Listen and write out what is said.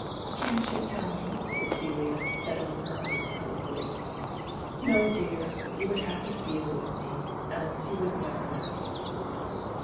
"Can't you tell me?" said Celia, settling her arms cozily. "No, dear, you would have to feel with me, else you would never know."